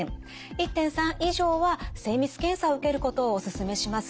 １．３以上は精密検査を受けることをお勧めします。